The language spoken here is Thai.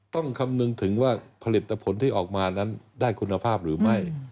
คำนึงถึงว่าผลิตผลที่ออกมานั้นได้คุณภาพหรือไม่